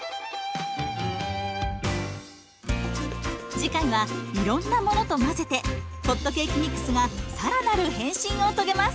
次回はいろんなものと混ぜてホットケーキミックスが更なる変身を遂げます！